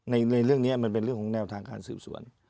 ในเรื่องนี้มันเป็นเรื่องของแนวทางการสืบสวน